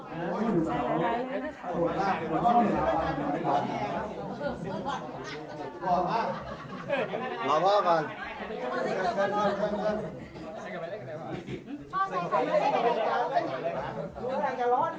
ดีใจหลายหลายเลยรอพ่อก่อน